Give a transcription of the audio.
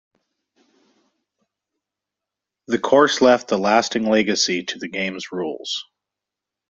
The course left a lasting legacy to the game's rules.